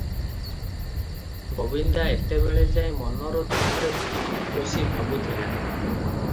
ଗୋବିନ୍ଦା ଏତେବେଳେ ଯାଏ ମନର ଦୁଃଖରେ ବସି ଭାବୁଥିଲା ।